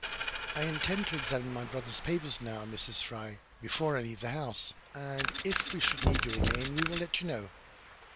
"I intend to examine my brother's papers now, Mrs. Fry, before I leave the house, and if we should need you again we will let you know."